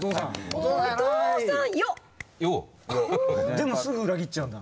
でもすぐ裏切っちゃうんだ。